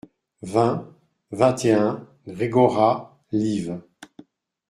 vingt, vingt et un ; Gregoras, liv.